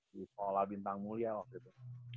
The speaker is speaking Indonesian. di sekolah bintang mulia waktu itu